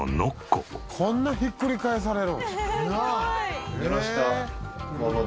こんなひっくり返されるん？